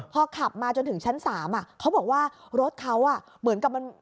พอขับมาจนถึงชั้น๓เขาบอกว่ารถเขาเหมือนกับมัน